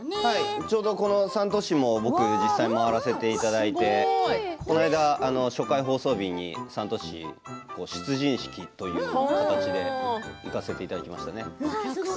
ちょうどこの３都市実際に回らせていただいて初回放送日に３都市出陣式という形で行かせていただきました。